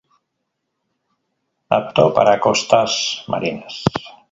Apto para costas marinas.